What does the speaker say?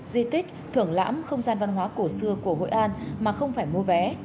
di tích thưởng lãm không gian văn hóa cổ xưa của hội an mà không phải mua vé